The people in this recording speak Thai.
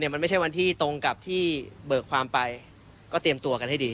มันไม่ใช่วันที่ตรงกับที่เบิกความไปก็เตรียมตัวกันให้ดี